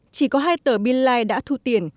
chỉ có hai tờ binline đã thu tiền